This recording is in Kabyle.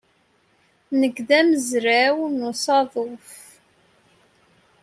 Nekk d amezraw n usaḍuf.